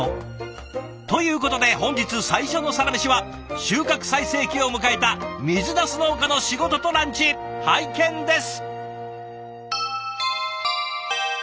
ということで本日最初のサラメシは収穫最盛期を迎えた水なす農家の仕事とランチ拝見です。